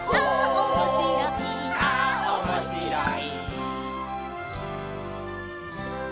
「ああおもしろい」